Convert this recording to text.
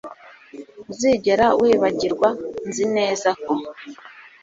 Ntuzigera wibagirwa nzi neza ko